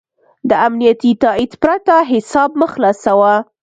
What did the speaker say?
د امنیتي تایید پرته حساب مه خلاصوه.